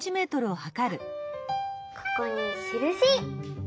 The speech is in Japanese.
ここにしるし！